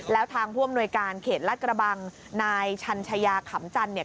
แล้วทางผู้อำนวยการเขตลาดกระบังนายชัญชายาขำจันทร์เนี่ย